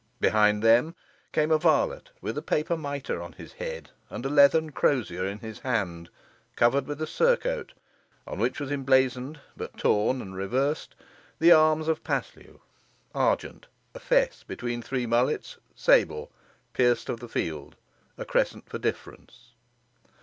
Behind them came a varlet with a paper mitre on his head, and a lathen crosier in his hand, covered with a surcoat, on which was emblazoned, but torn and reversed, the arms of Paslew; argent, a fess between three mullets, sable, pierced of the field, a crescent for difference.